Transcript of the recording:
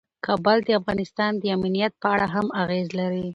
کابل د افغانستان د امنیت په اړه هم اغېز لري.